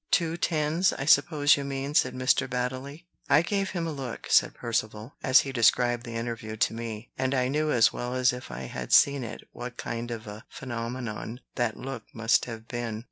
"Two tens, I suppose you mean," said Mr. Baddeley. "I gave him a look," said Percivale, as he described the interview to me; and I knew as well as if I had seen it what kind of a phenomenon that look must have been.